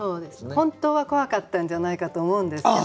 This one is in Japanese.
本当は怖かったんじゃないかと思うんですけど。